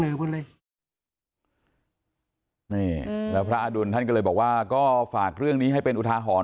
นี่แล้วพระอดุลท่านก็เลยบอกว่าก็ฝากเรื่องนี้ให้เป็นอุทาหรณ